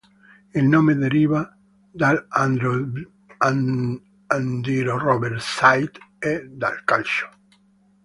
Il nome deriva dall'andyrobertsite e dal calcio.